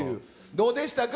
どうでしたか？